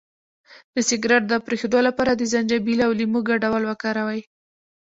د سګرټ د پرېښودو لپاره د زنجبیل او لیمو ګډول وکاروئ